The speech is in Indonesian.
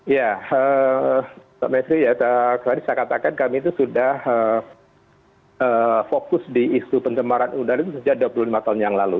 ya pak mesri saya katakan kami itu sudah fokus di isu penjemaran udara itu sejak dua puluh lima tahun yang lalu